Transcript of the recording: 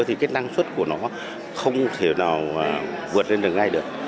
thì cái năng suất của nó không thể nào vượt lên được ngay được